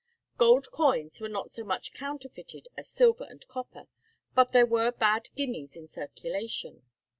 Gold coins were not so much counterfeited as silver and copper, but there were bad guineas in circulation.